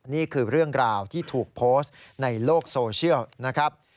นี่คือเรื่องราวที่ถูกโพสต์ในโลกโซเชียลนะครับ